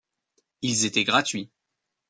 Ils étaient gratuits.